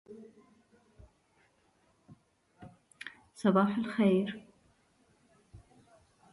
They appear in corymbs along and at the ends of branches.